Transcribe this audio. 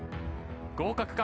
不合格か？